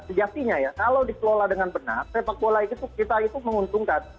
sejatinya ya kalau dikelola dengan benar sepak bola itu kita itu menguntungkan